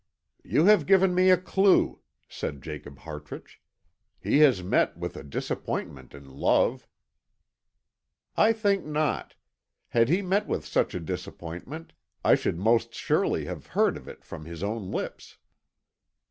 "You have given me a clue," said Jacob Hartrich; "he has met with a disappointment in love." "I think not; had he met with such a disappointment I should most surely have heard of it from his own lips."